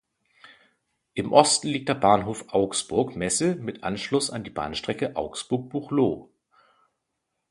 Im Osten liegt der Bahnhof Augsburg Messe mit Anschluss an die Bahnstrecke Augsburg-Buchloe.